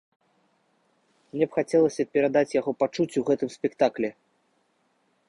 Мне б хацелася перадаць яго пачуцці ў гэтым спектаклі.